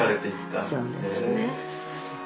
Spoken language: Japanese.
うんそうですね。